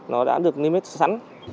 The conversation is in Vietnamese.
nó đã được limit sẵn